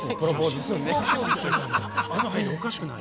あの入りおかしくない？